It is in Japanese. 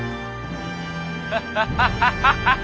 ハハハハハハハ。